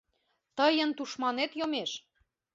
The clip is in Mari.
Тыйын тушманет йомеш!